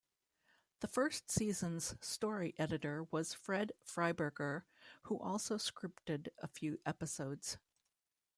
The first season's story editor was Fred Freiberger, who also scripted a few episodes.